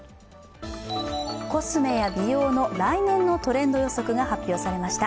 コスメや美容の来年のトレンド予測が発表されました。